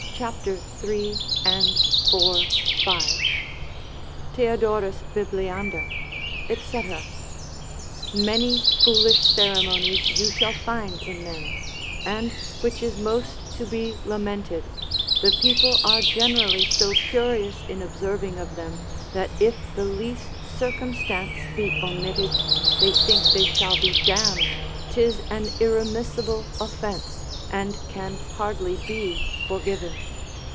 cap. 3, et 4, 5. Theodorus Bibliander, &c. Many foolish ceremonies you shall find in them; and which is most to be lamented, the people are generally so curious in observing of them, that if the least circumstance be omitted, they think they shall be damned, 'tis an irremissible offence, and can hardly be forgiven.